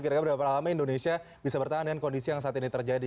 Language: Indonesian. kira kira berapa lama indonesia bisa bertahan dengan kondisi yang saat ini terjadi